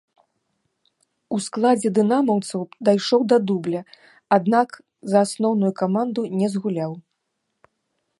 У складзе дынамаўцаў дайшоў да дубля, аднак за асноўную каманду не згуляў.